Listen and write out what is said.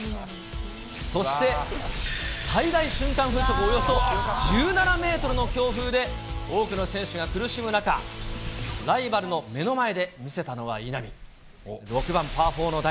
そして最大瞬間風速およそ１７メートルの強風で、多くの選手が苦しむ中、ライバルの目の前で見せたのは稲見。